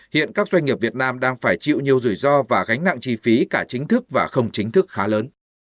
hiện các doanh nghiệp việt nam đang phải chịu nhiều rủi ro và gánh nặng chi phí cả chính thức và không chính thức khá lớn